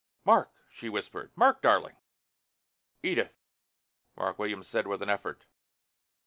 "Mark!" she whispered. "Mark, darling!" "Edith," Mark Williams said with an effort.